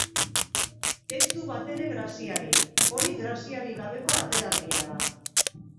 Ez du batere graziarik. Hori graziarik gabeko ateraldia da.